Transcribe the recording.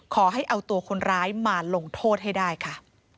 ขอให้เอาตัวคนร้ายมาลงโทษให้ได้ค่ะ